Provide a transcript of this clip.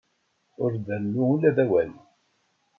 Ur d-rennu ula d awal.